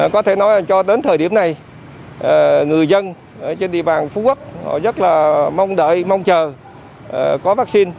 có thể nói cho đến thời điểm này người dân trên địa bàn phú quốc họ rất là mong đợi mong chờ có vaccine